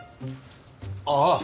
ああ。